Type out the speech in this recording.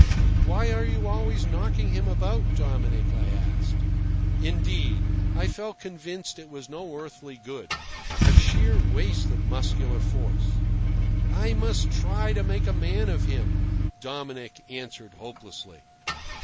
"Why are you always knocking him about, Dominic?" I asked. Indeed, I felt convinced it was no earthly good—a sheer waste of muscular force. "I must try to make a man of him," Dominic answered hopelessly.